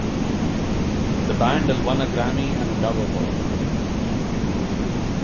The band has won a Grammy and a Dove Award.